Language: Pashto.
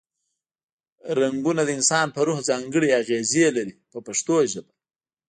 رنګونه د انسان په روح ځانګړې اغیزې لري په پښتو ژبه.